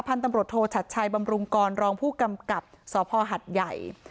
ตำรวจโทชัดชัยบำรุงกรรองผู้กำกับสพหัดใหญ่